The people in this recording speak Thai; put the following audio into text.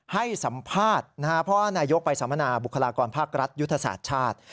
ให้สัมภาษณ์นะครับเพราะว่านายกไปสัมมนาบุคลากรภาครัฐยุทธศาสตร์ชาติ